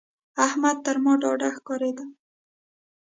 احمد تر ما ډاډه ښکارېده.